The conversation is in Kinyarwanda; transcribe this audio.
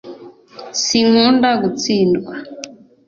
sinkunda gutsindwa